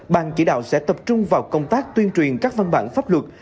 ban chỉ đạo sẽ tập trung vào công tác tuyên truyền các văn bản pháp luật